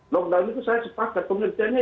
lockdown itu saya sepakat pengertiannya